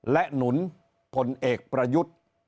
และหนุนพลเอกประยุทธ์